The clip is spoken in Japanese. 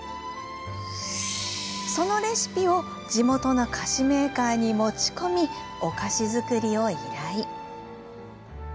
そのレシピを地元の菓子メーカーに持ち込みお菓子作りを依頼。